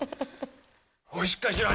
おいしっかりしろ始。